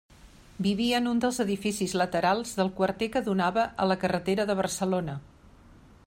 Vivia en un dels edificis laterals del quarter que donava a la carretera de Barcelona.